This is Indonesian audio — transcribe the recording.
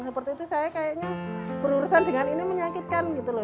seperti itu saya kayaknya berurusan dengan ini menyakitkan gitu loh